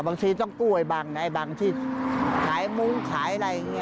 บางทีต้องกู้ไอ้บังในบางที่ขายมุ้งขายอะไรอย่างนี้